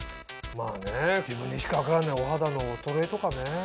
まぁね自分にしか分からないお肌の衰えとかね。